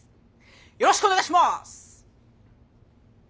よろしくお願いします。